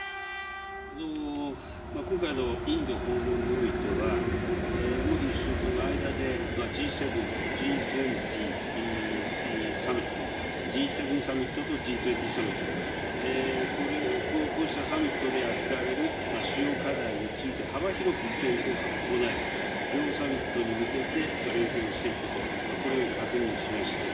今回のインド訪問においては、モディ首相との間で、Ｇ７とＧ２０サミット、Ｇ７サミットとＧ２０サミット、こうしたサミットで扱われる主要課題について、幅広く意見交換を行い、両サミットに向けて連携をしていくこと、これを確認しました。